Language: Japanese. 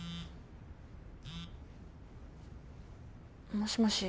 もしもし？